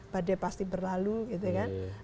badai pasti berlalu gitu kan